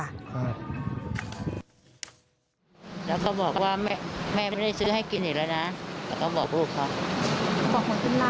แล้วก็บอกว่าแม่ไม่ได้ซื้อให้กินอีกแล้วนะ